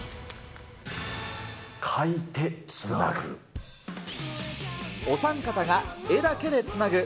描いてつなぐ。